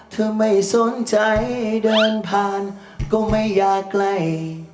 เธอไม่สนใจเดินผ่านก็ไม่อยากใกล้